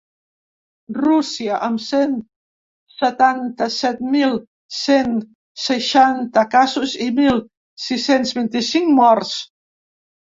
Rússia, amb cent setanta-set mil cent seixanta casos i mil sis-cents vint-i-cinc morts.